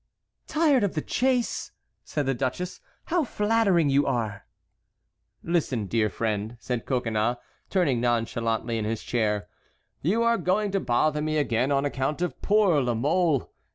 "Tired of the chase!" said the duchess. "How flattering you are!" "Listen, dear friend," said Coconnas, turning nonchalantly in his chair. "You are going to bother me again on account of poor La Mole.